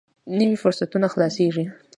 نوي فرصتونه خلاصېږي.